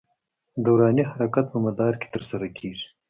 دوراني حرکت په مدار کې تر سره کېږي.